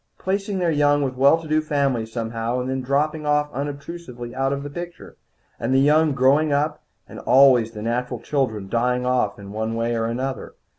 Placing their young with well to do families somehow, and then dropping unobtrusively out of the picture. And the young growing up, and always the natural children dying off in one way or another.